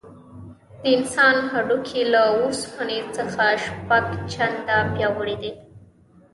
د انسان هډوکي له اوسپنې څخه شپږ چنده پیاوړي دي.